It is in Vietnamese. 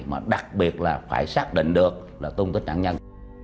mà đặc biệt là phải xác định được là tung tích nạn nhân